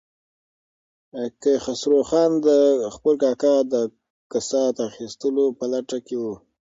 کیخسرو خان د خپل کاکا د کسات اخیستلو په لټه کې و.